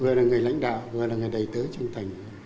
vừa là người lãnh đạo vừa là người đầy tớ trong thành